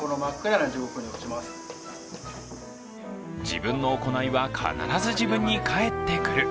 自分の行いは必ず自分に返ってくる。